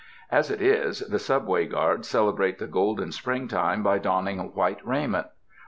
As it is, the subway guards celebrate the golden springtime by donning white raiment.